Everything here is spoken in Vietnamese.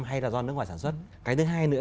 hay là do nước ngoài sản xuất cái thứ hai nữa